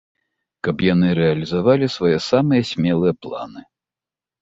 Каб яны рэалізавалі свае самыя смелыя планы.